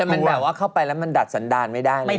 มันแบบว่าเข้าไปแล้วมันดัดสันดารไม่ได้เลย